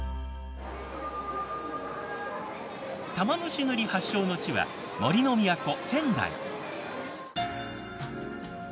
玉虫塗発祥の地は杜の都仙台。